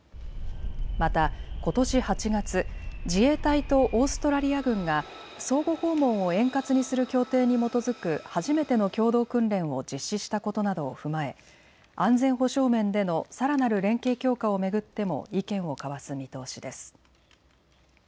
また、ことし８月、自衛隊とオーストラリア軍が相互訪問を円滑にする協定に基づく初めての共同訓練を実施したことなどを踏まえ安全保障面でのさらなる連携強化を巡っても意見を交わす見通しです。